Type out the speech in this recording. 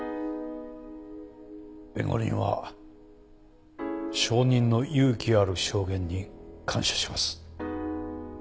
弁護人は証人の勇気ある証言に感謝します。